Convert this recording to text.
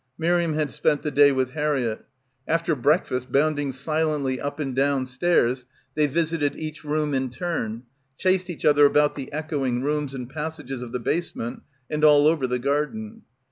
Miriam had spent the day with Harriett. Af ter breakfast, bounding silently up and down ^ stairs, they visited each room in turn, chased each other about the echoing rooms and passages of the basement and all over the garden.